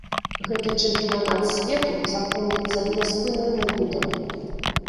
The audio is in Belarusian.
Гэты чэмпіянат свету запомніцца няспынным гудам.